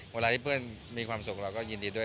เวลาที่เพื่อนมีความสุขเราก็ยินดีด้วย